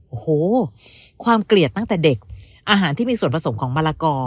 โอ้โหความเกลียดตั้งแต่เด็กอาหารที่มีส่วนผสมของมะละกอ